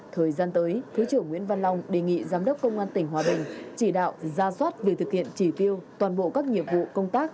thời gian tới thứ trưởng nguyễn văn long đề nghị giám đốc công an tỉnh hòa bình chỉ đạo ra soát việc thực hiện chỉ tiêu toàn bộ các nhiệm vụ công tác